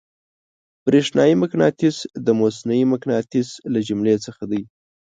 برېښنايي مقناطیس د مصنوعي مقناطیس له جملې څخه دی.